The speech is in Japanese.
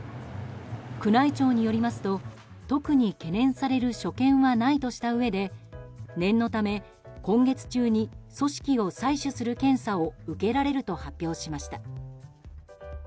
宮内庁によりますと特に懸念される所見はないとしたうえで念のため、今月中に組織を採取する検査を受けられると発表しました。